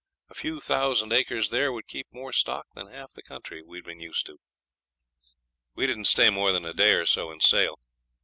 A few thousand acres there would keep more stock than half the country we'd been used to. We didn't stay more than a day or so in Sale.